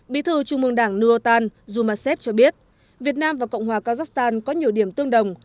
bí thư chung mương đảng nưu âu tàn dù mà xét cho biết việt nam và cộng hòa kazakhstan có nhiều điểm tương đồng